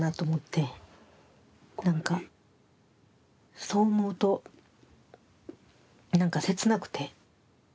何かそう思うと何か切なくて。